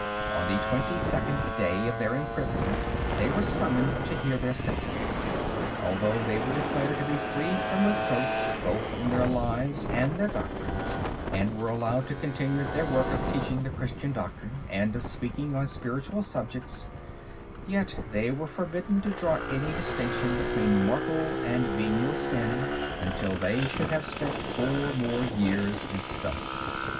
On the twenty second day of their imprisonment they were summoned to hear their sentence. Although they were declared to be free from reproach both in their lives and their doctrines, and were allowed to continue their work of teaching the Christian doctrine and of speaking on spiritual subjects, yet they were forbidden to draw any distinction between mortal and venial sin, until they should have spent four more years in study.